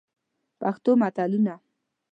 پښتو متلونه: